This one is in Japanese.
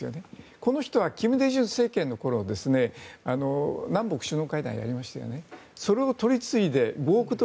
この人は金大中政権の頃南北首脳会談をやった人ですよね。